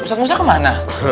ustadz musa kemana